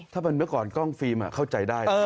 ถ้าเป็นเมื่อก่อนกล้องฟิล์มเข้าใจได้